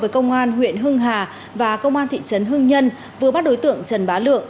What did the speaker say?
với công an huyện hưng hà và công an thị trấn hưng nhân vừa bắt đối tượng trần bá lượng